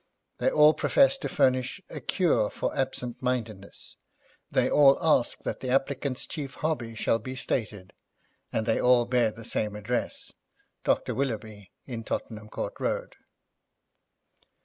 They all profess to furnish a cure for absent mindedness; they all ask that the applicant's chief hobby shall be stated, and they all bear the same address: Dr. Willoughby, in Tottenham Court Road.'